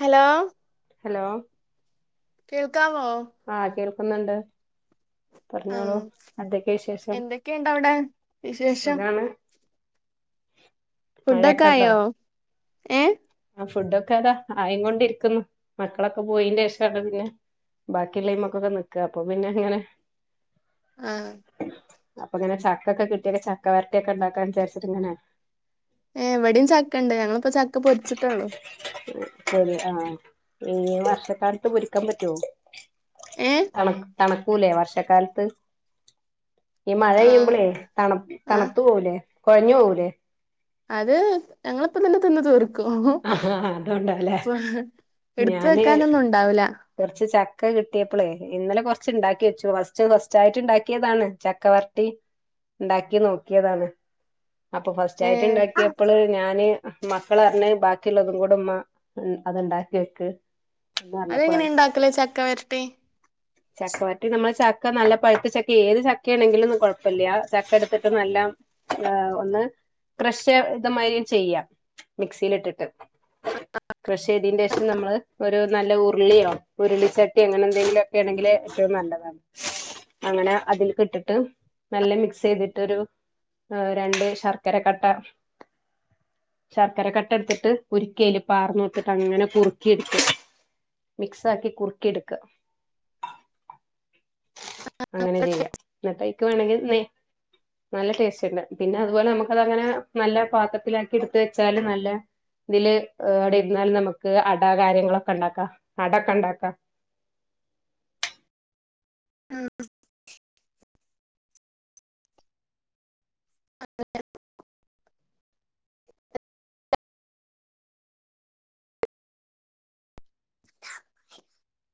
hello hello കേൾക്കാമോ ആഹ് കേൾക്കുന്നുണ്ട് പറഞ്ഞോളൂ ആഹ് എതൊക്ക വിശേഷം എന്തൊക്കെയുണ്ട് അവിടെ വിശേഷം സുഖാണ് ഉ ഫുഡൊക്കെ ആയോ ഏഹ് ആ ഫുഡ് ഒക്കെ അതാ ആയി കൊണ്ടിരിക്കുന്നു മക്കളൊക്കെ പോയിന്റെ ശേഷം പിന്നെ ബാക്കിയുള്ളള്ളൈ്മൊക്കൊക്കെ നിക്യ അപ്പൊ പിന്നെ ഇങ്ങനെ ആഹ് അപ്പൊ ഇങ്ങനെ ചക്കെ കിട്ടി ചക്ക വരട്ടയൊക്കെ ഉണ്ടാക്കാൻ വിചാരിച്ചിട്ട് ഇങ്ങനെ ഏ ഇവിടെയും ചക്ക ഉണ്ട് ഞങ്ങളിപ്പോ ചക്ക പൊരിച്ചിട്ടുള്ളോ ശരി ആഹ ഈ വർഷക്കാലത്ത് പൊരിക്കാൻ പറ്റുവോ ഏഹ് തണ തണക്കൂലേ വർഷക്കാലത്ത് ഈ മഴ ആഹ് പെയ്യുമ്പോളേ തണ ആഹ് തണുത്തു പോലേ കുഴഞ്ഞു പോകൂലേ അതെ ഞങ്ങളിപ്പോൾ തന്നെ തിന്ന് തീർക്കും ആഹ് അതുകൊണ്ടാല്ലേ ഇപ്പൊ എടുത്ത് ഞാന് വെക്കാനൊന്നും ഉണ്ടാവില്ല കുറച്ച് ചക്ക കിട്ടിയപ്പളേ ഇന്നലെ കൊറച്ച് ഇണ്ടാക്കി വെച്ചു ഫസ്റ്റ് ഫസ്റ്റ് ആയിട്ട് ഇണ്ടാക്കിയതാണ് ചക്കവർ- രട്ടി ഉണ്ടാക്കി നോക്കിയതാണ് അപ്പൊ ഫസ്റ്റ് ആയിട്ട് ഏഹ് ഇണ്ടാക്കിയപ്പോള് ഞാന് മക്കള് പറഞ്ഞ്- ബാക്കിയുള്ളതും കൂടെ ഉമ്മ അത് ഉ ണ്ടാക്കി വെക്ക് എന്ന് പറഞ്ഞപ്പളെ അതെങ്ങനെയ ഇണ്ടാക്കല് ചക്കവെരട്ടി ചക്കവരട്ടി നമ്മള് ചക്ക നല്ല പഴുത്ത ചക്ക ഏത് ചക്ക ആണെങ്കിലും ഒന്നും കൊഴപ്പമില്ല ചക്ക എടുത്തിട്ട് നല്ല- ഒന്ന് ക്രഷ് ഇതമാതിരി ചെയ്യാം മിക്സിയിലിട്ടിട്ട് ക്രഷ് ചെയ്തതിന്റെ ശേഷം നമ്മള്- നല്ല ഉരുളിയോ ഉരുളിച്ചട്ടിയോ അങ്ങനെ എന്തെങ്കിലു ഒക്കെ ആണെങ്കിൽ ഏറ്റവും നല്ലതാണ് അങ്ങനെ അതിക്കിട്ടിട്ട് നല്ല മിക്സ് ചെയ്തിട്ടൊരു- ആ രണ്ട് ശർക്കരക്കട്ട ശർക്കരക്കട്ട എടുത്തി - ട്ട് ഉരുക്കി അതില് പാർന്ന് കൊടുത്തിട്ട് അങ്ങനെ കുറുക്കി എടുത്ത് മിക്സ് ആക്കി കുറുക്കി എടുക്ക്‌ക ഹജ്ജ്യ്ക്ക് [unintelligible] അങ്ങനെ ചെയ്യാം എന്നിട്ട് അതിലേക്ക് വേണമെങ്കിൽ നെയ്യ് - നല്ല ടേസ്റ്റ് ഒണ്ട് പിന്നെ അതുപോലെ നമുക്ക് അത് അങ്ങനെ നല്ല പാത്രത്തിലാക്കി എടുത്ത് വെച്ചാലും നല്ല- ഇതില് അവിടെരുന്നാലും നമുക്ക് അട കാര്യങ്ങളൊക്കെ ഒണ്ടാക്കാം അട ഒക്കെ ഒണ്ടാക്കാം ആഹ് അത് തന്നെ